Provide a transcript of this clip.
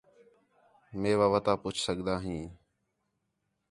مِیوا وتا پُچھ سڳدا ہیں